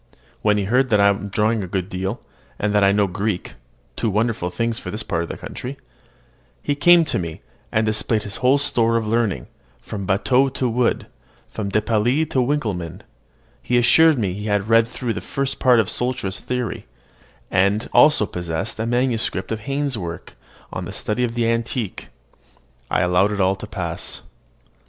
When he heard that I am drawing a good deal, and that I know Greek (two wonderful things for this part of the country), he came to see me, and displayed his whole store of learning, from Batteaux to Wood, from De Piles to Winkelmann: he assured me he had read through the first part of Sultzer's theory, and also possessed a manuscript of Heyne's work on the study of the antique. I allowed it all to pass.